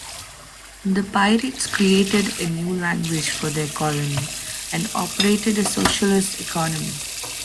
The pirates created a new language for their colony and operated a socialist economy.